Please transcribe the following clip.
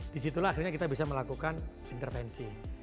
disitulah akhirnya kita bisa melakukan intervensi